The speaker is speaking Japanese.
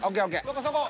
そこそこ。